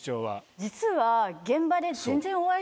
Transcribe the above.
実は。